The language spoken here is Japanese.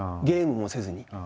ゲームもせずに。